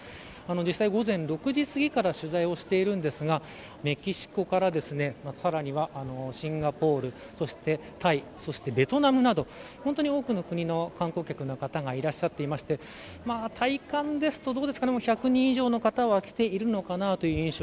実際午前６時すぎから取材をしているんですがメキシコからさらにはシンガポールそしてタイそしてベトナムなど本当に多くの国の観光客がいらっしゃっていまして体感ですと１００人以上の方は来ているのかなという印象。